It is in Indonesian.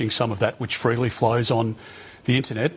untuk menulis beberapa hal yang bisa dihasilkan secara bebas di internet